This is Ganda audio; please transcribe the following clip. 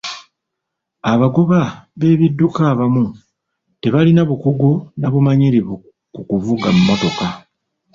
Abagoba b'ebidduka abamu tebalina bukugu na bumanyirivu kuvuga mmotoka.